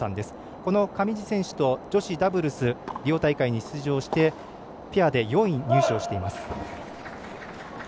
この上地選手と女子ダブルスリオ大会に出場してペアで４位入賞しています。